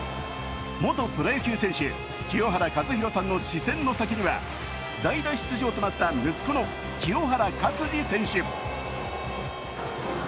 元プロ野球選手、清原和博さんの視線の先には代打出場となった息子の清原勝児選手。